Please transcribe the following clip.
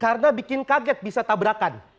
karena bikin kaget bisa tabrakan